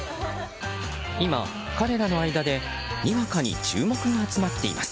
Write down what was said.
今、彼らの間でにわかに注目が集まっています。